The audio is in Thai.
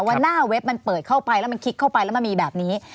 ว่าหน้าเว็บมันเปิดเข้าไปแล้วมันคลิกเข้าไปแล้วมันมีแบบนี้